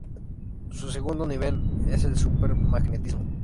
Su segundo nivel es el Super Magnetismo.